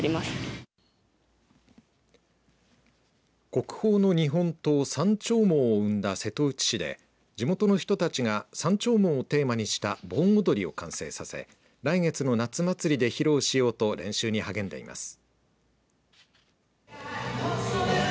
国宝の日本刀、山鳥毛を生んだ瀬戸内市で地元の人たちが山鳥毛をテーマにした盆踊りを完成させ来月の夏祭りで披露しようと練習に励んでいます。